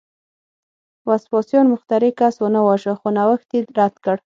وسپاسیان مخترع کس ونه واژه، خو نوښت یې رد کړ